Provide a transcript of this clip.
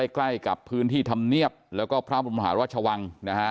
ใกล้กับพื้นที่ธรรมเนียบแล้วก็พระบรมหาราชวังนะฮะ